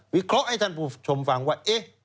เคราะห์ให้ท่านผู้ชมฟังว่า